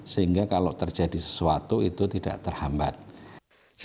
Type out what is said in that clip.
sehingga kalau terjadi hal hal yang berbeda maka kita bisa mengurangi